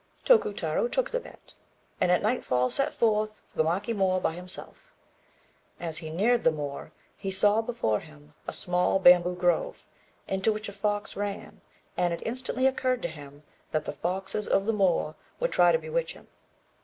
Tokutarô took the bet, and at nightfall set forth for the Maki Moor by himself. As he neared the moor, he saw before him a small bamboo grove, into which a fox ran; and it instantly occurred to him that the foxes of the moor would try to bewitch him.